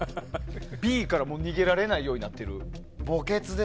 Ｂから逃げられないようになってる。